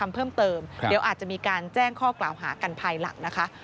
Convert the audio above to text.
เพิ่มเติมเดี๋ยวอาจจะมีการแจ้งข้อกล่าวหากันภายหลังนะคะ